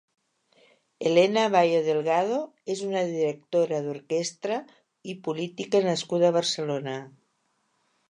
Helena Bayo Delgado és una directora d'orquestra i política nascuda a Barcelona.